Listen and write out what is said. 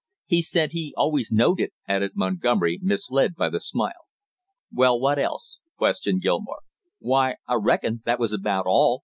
"He said he always knowed it," added Montgomery, misled by the smile. "Well, what else?" questioned Gilmore. "Why, I reckon that was about all!"